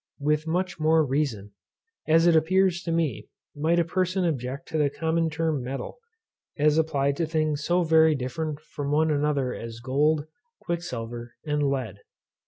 With much more reason, as it appears to me, might a person object to the common term metal, as applied to things so very different from one another as gold, quicksilver, and lead.